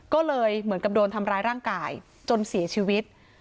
ก็เลยเหมือนกับโดนทำร้ายร่างกายจนเสียชีวิต